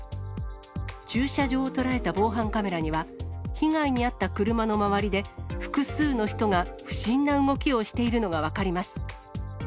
駐車場を捉えた防犯カメラには、被害に遭った車の周りで、複数の人が不審な動きをしているのが分かります。